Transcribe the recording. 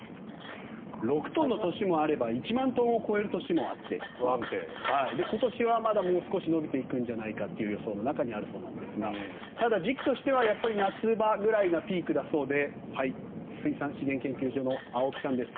６トンの年もあれば１万トンを超える年もあって今年は、まだもう少し伸びていくんじゃないかという予想の中にあるそうですがただ、時期としては夏場ぐらいがピークだそうで水産資源研究所の青木さんです。